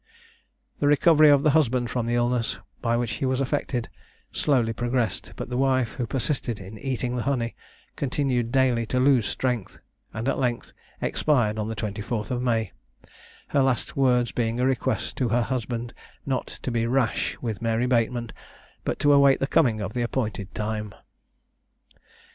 The recovery of the husband from the illness, by which he was affected, slowly progressed; but the wife, who persisted in eating the honey, continued daily to lose strength, and at length expired on the 24th of May, her last words being a request to her husband not to be "rash" with Mary Bateman, but to await the coming of the appointed time.